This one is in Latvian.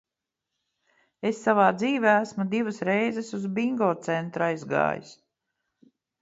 Es savā dzīvē esmu divas reizes uz Bingo centru aizgājis.